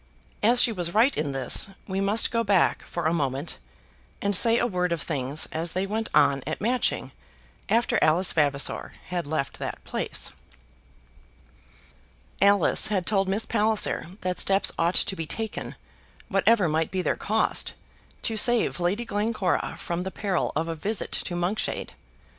As she was right in this we must go back for a moment, and say a word of things as they went on at Matching after Alice Vavasor had left that place. Alice had told Miss Palliser that steps ought to be taken, whatever might be their cost, to save Lady Glencora from the peril of a visit to Monkshade.